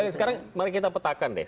sekarang mari kita petakan deh